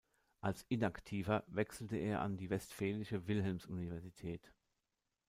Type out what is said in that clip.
Als Inaktiver wechselte er an die Westfälische Wilhelms-Universität.